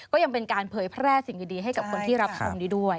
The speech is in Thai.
ก็ยังเป็นการเผยแพร่สิ่งดีให้กับคนที่รับชมนี้ด้วย